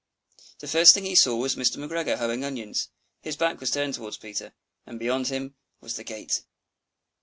The first thing he saw was Mr. McGregor hoeing onions. His back was turned towards Peter, and beyond him was the gate!